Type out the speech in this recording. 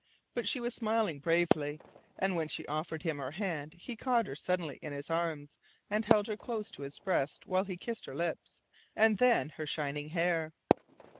But she was smiling bravely, and when she offered him her hand he caught her suddenly in his arms and held her close to his breast while he kissed her lips, and then her shining hair.